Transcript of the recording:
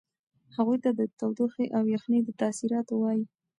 هغوی ته د تودوخې او یخنۍ د تاثیراتو وایئ.